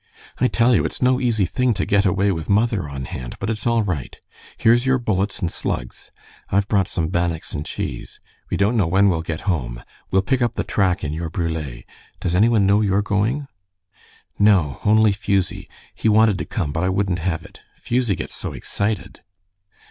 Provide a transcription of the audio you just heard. "I tell you it's no easy thing to get away with mother on hand, but it's all right. Here's your bullets and slugs. I've brought some bannocks and cheese. We don't know when we'll get home. We'll pick up the track in your brule. Does any one know you're going?" "No, only Fusie. He wanted to come, but I wouldn't have it. Fusie gets so excited."